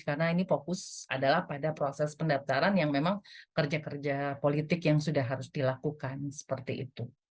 karena ini fokus adalah pada proses pendaftaran yang memang kerja kerja politik yang sudah harus dilakukan seperti itu